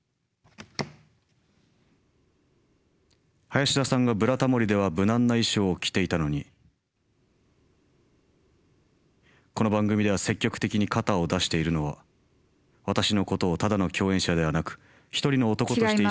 林田さんが「ブラタモリ」では無難な衣装を着ていたのにこの番組では積極的に肩を出しているのは私のことをただの共演者ではなく一人の男として。